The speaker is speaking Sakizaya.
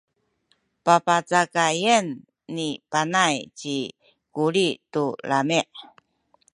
papacakayen ni Panay ci Kuli tu lami’.